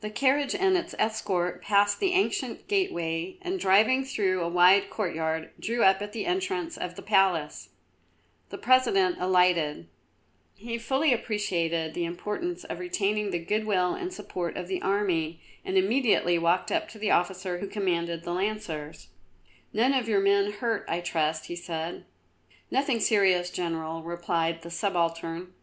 The carriage and its escort passed the ancient gateway and driving through a wide courtyard drew up at the entrance of the palace. The President alighted. He fully appreciated the importance of retaining the good will and support of the army, and immediately walked up to the officer who commanded the Lancers. "None of your men hurt, I trust," he said. "Nothing serious, General," replied the subaltern.